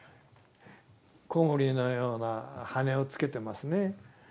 コウモリのような羽をつけてますね。